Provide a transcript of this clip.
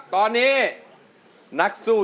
ขอบคุณครับ